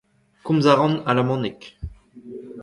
Komz a ran alamaneg.